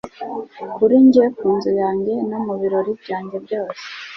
kuri njye ku nzu yanjye no mu birori byanjye byose